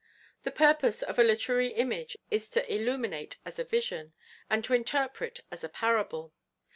The purpose of a literary image is to illuminate as a vision, and to interpret as a parable.